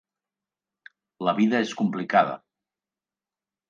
La vida és complicada.